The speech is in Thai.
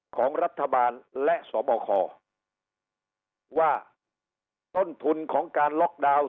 ของรัฐบาลและสบคว่าต้นทุนของการล็อกดาวน์